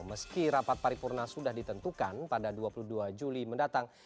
meski rapat paripurna sudah ditentukan pada dua puluh dua juli mendatang